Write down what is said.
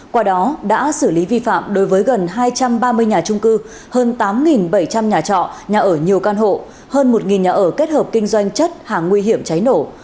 qua đó đã xử lý vi phạm đối với gần hai trăm ba mươi nhà trung cư hơn tám bảy trăm linh nhà trọ nhà ở nhiều căn hộ hơn một nhà ở kết hợp kinh doanh chất hàng nguy hiểm cháy nổ